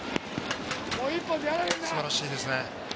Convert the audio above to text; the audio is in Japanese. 素晴らしいですね。